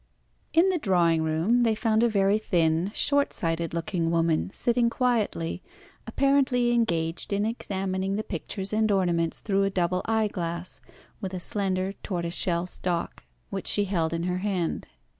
In the drawing room they found a very thin, short sighted looking woman sitting quietly, apparently engaged in examining the pictures and ornaments through a double eyeglass with a slender tortoise shell stalk, which she held in her hand.